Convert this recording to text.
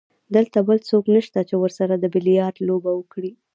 دلته بل څوک نشته چې ورسره د بیلیارډ لوبه وکړي.